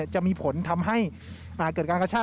จะมีผลทำให้เกิดการกระชาก